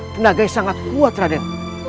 tenaganya sangat kuat raden